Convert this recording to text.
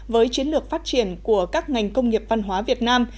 với chiến lược phát triển của các ngành công nghiệp văn hóa việt nam